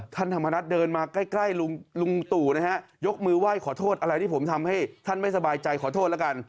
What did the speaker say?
ท่านธรรมนัฐเดินมาใกล้ลุงตู่นะฮะยกมือไหว้ขอโทษอะไรที่ผมทำให้ท่านไม่สบายใจขอโทษแล้วกัน